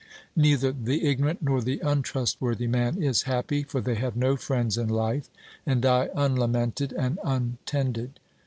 Neither the ignorant nor the untrustworthy man is happy; for they have no friends in life, and die unlamented and untended.